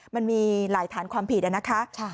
มันมีหลายฐานความผิดนะคะ